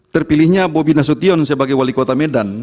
terpilihnya bobi nasution sebagai wali kota medan